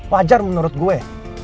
wajar menurut gue